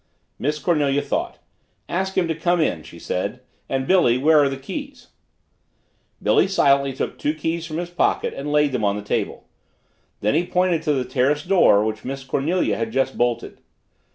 Miss Cornelia thought. "Ask him to come in," she said. "And Billy where are the keys?" Billy silently took two keys from his pocket and laid them on the table. Then he pointed to the terrace door which Miss Cornelia had just bolted.